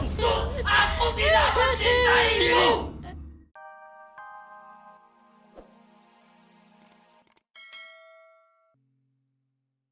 aku tidak mencintaimu